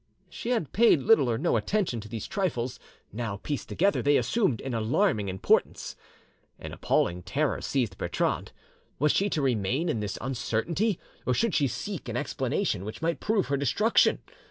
She had paid little or no attention to these trifles; now, pieced together, they assumed an alarming importance. An appalling terror seized Bertrande: was she to remain in this uncertainty, or should she seek an explanation which might prove her destruction?